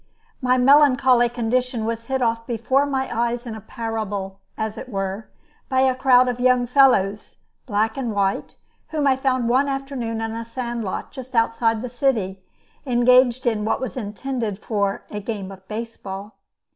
My melancholy condition was hit off before my eyes in a parable, as it were, by a crowd of young fellows, black and white, whom I found one afternoon in a sand lot just outside the city, engaged in what was intended for a game of baseball.